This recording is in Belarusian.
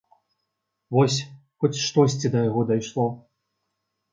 Вось, хоць штосьці да яго дайшло.